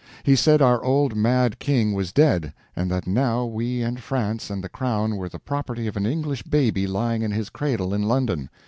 He said our old mad King was dead, and that now we and France and the crown were the property of an English baby lying in his cradle in London.